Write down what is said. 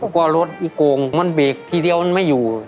กลัวรถอีโกงมันเบรกทีเดียวมันไม่อยู่